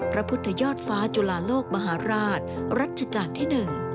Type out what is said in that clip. พระพุทธยอดฟ้าจุลาโลกมหาราชรัชกาลที่๑